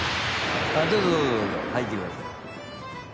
あっどうぞどうぞ入ってください。